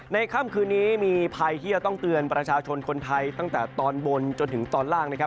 ค่ำคืนนี้มีภัยที่จะต้องเตือนประชาชนคนไทยตั้งแต่ตอนบนจนถึงตอนล่างนะครับ